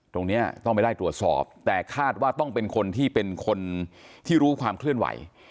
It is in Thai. ตรงนี้ต้องไปไล่ตรวจสอบแต่คาดว่าต้องเป็นคนที่เป็นคนที่รู้ความเคลื่อนไหว